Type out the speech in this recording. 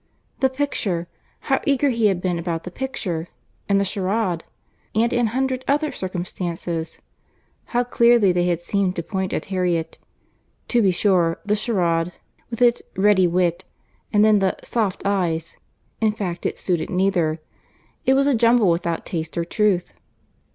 The picture!—How eager he had been about the picture!—and the charade!—and an hundred other circumstances;—how clearly they had seemed to point at Harriet. To be sure, the charade, with its "ready wit"—but then the "soft eyes"—in fact it suited neither; it was a jumble without taste or truth.